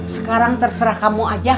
sekarang terserah kamu aja